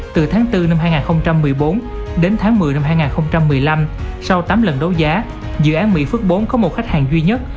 từ tháng bốn năm hai nghìn một mươi bốn đến tháng một mươi năm hai nghìn một mươi năm sau tám lần đấu giá dự án mỹ phước bốn có một khách hàng duy nhất